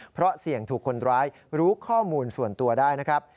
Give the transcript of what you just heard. เพราะเสี่ยงถูกคนร้ายรู้ข้อมูลส่วนตัวได้นะครับ